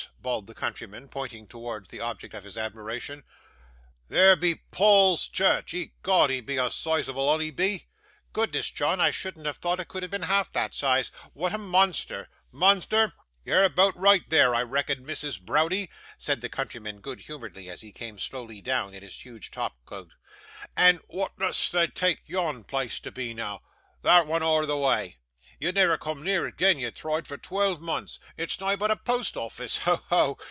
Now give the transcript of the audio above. bawled the countryman, pointing towards the object of his admiration. 'There be Paul's Church. 'Ecod, he be a soizable 'un, he be.' 'Goodness, John! I shouldn't have thought it could have been half the size. What a monster!' 'Monsther! Ye're aboot right theer, I reckon, Mrs. Browdie,' said the countryman good humouredly, as he came slowly down in his huge top coat; 'and wa'at dost thee tak yon place to be noo thot'un owor the wa'? Ye'd never coom near it 'gin you thried for twolve moonths. It's na' but a Poast Office! Ho! ho!